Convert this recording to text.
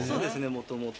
もともと。